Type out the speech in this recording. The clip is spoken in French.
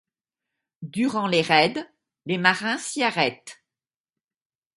Durant les raids, les marins s'y arrêtent.